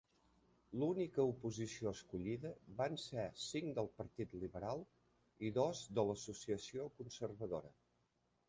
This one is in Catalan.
L'única oposició escollida van ser cinc del partit liberal i dos de l'associació conservadora.